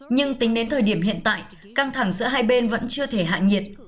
nhưng tính đến thời điểm hiện tại căng thẳng giữa hai bên vẫn chưa thể hạ nhiệt